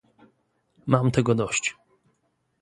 Mam tego dość